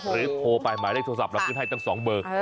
โทรไปหมายเลขโทรศัพท์เราขึ้นให้ตั้ง๒เบอร์